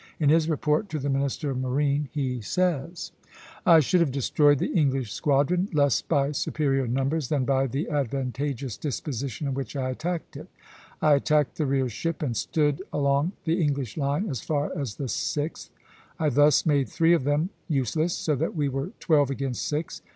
In his report to the Minister of Marine he says: "I should have destroyed the English squadron, less by superior numbers than by the advantageous disposition in which I attacked it. I attacked the rear ship and stood along the English line as far as the sixth. I thus made three of them useless, so that we were twelve against six.